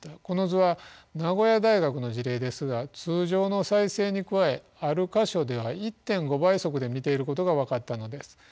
この図は名古屋大学の事例ですが通常の再生に加えある箇所では１．５倍速で見ていることが分かったのです。